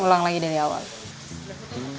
mulai lagi dari awal